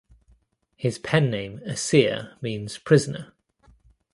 His pen name "Asir" means "prisoner".